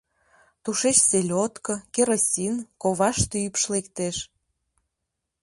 Тушеч селёдко, керосин, коваште ӱпш лектеш.